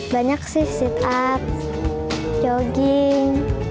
banyak sih sit up jogging